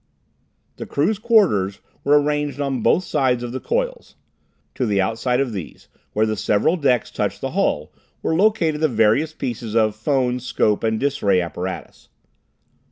The crew's quarters were arranged on both sides of the coils. To the outside of these, where the several decks touched the hull, were located the various pieces of phone, scope and dis ray apparatus.